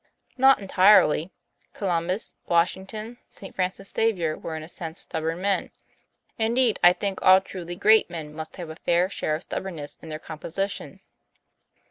:' Not entirely. Columbus, Washington, St. Francis Xavier were in a sense stubborn men. Indeed, I think all truly great men must have a fair share of stub bornness in their composition.